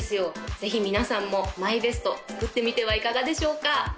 ぜひ皆さんもＭＹＢＥＳＴ作ってみてはいかがでしょうか？